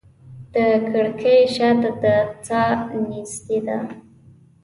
د کړکۍ شاته د ساه نیستي ده